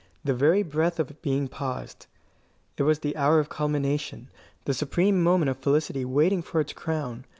The very breath of being paused. It was the hour of culmination, the supreme moment of felicity waiting for its crown.